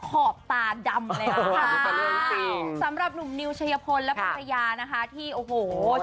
ขอบตาดำแล้วสำหรับหนุ่มนิวเชียพลและประทยานะคะที่โอ้โฮ